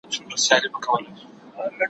په لوی لاس به ورانوي د ژوندون خونه